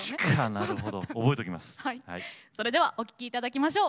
それではお聴きいただきましょう。